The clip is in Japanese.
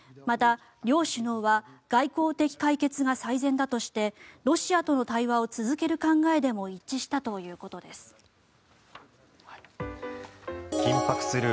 また、両首脳は外交的解決が最善だとしてロシアとの対話を続ける考えでも一致したということです。